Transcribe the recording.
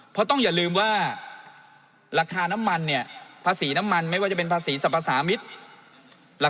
เพราะต้องอย่าลืมว่าราคาน้ำมันเนี่ยภาษีน้ำมันไม่ว่าจะเป็นภาษีสรรพสามิตร